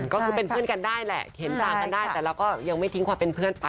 ก็คือเป็นเพื่อนกันได้แหละเห็นต่างกันได้แต่เราก็ยังไม่ทิ้งความเป็นเพื่อนไป